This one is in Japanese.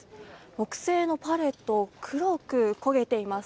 木製のパレット黒く焦げています。